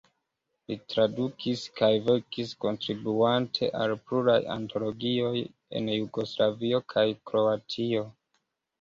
Li tradukis kaj verkis, kontribuante al pluraj antologioj en Jugoslavio kaj Kroatio.